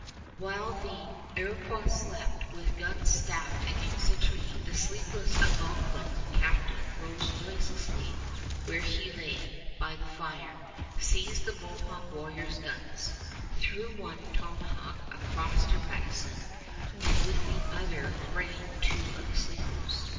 While the Iroquois slept with guns stacked against the trees, the sleepless Algonquin captive rose noiselessly where he lay by the fire, seized the Mohawk warriors' guns, threw one tomahawk across to Radisson, and with the other brained two of the sleepers.